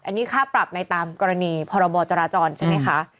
อันนี้ค่าปรับในตามกรณีพรบจราจรใช่ไหมคะ